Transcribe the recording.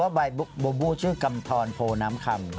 ฉันยังไม่รู้เลยว่าบูบูชื่อกำทรโภนำคำ